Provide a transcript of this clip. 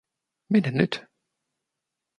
Minne nyt?